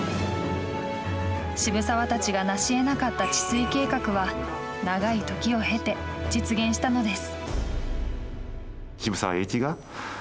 渋沢たちがなし得なかった治水計画は長いときを経て、実現したのです。